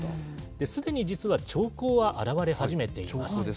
すでに、実は兆候は表れ始めています。